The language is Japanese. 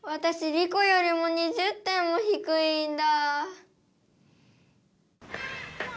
リコよりも２０点も低いんだ。